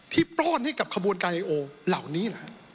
ที่ปล้อนให้กับขบวนการไฮโอ